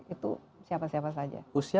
itu siapa siapa saja